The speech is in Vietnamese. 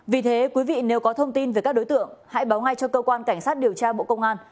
vì thế quý vị nếu có thông tin về các đối tượng hãy báo ngay cho cơ quan cảnh sát điều tra bộ công an